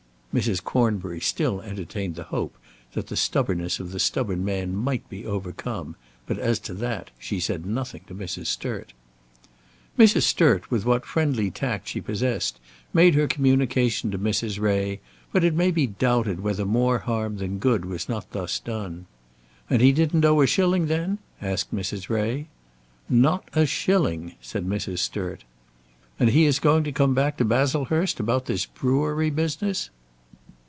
'" Mrs. Cornbury still entertained hope that the stubbornness of the stubborn man might be overcome; but as to that she said nothing to Mrs. Sturt. Mrs. Sturt, with what friendly tact she possessed, made her communication to Mrs. Ray, but it may be doubted whether more harm than good was not thus done. "And he didn't owe a shilling then?" asked Mrs. Ray. "Not a shilling," said Mrs. Sturt. "And he is going to come back to Baslehurst about this brewery business?"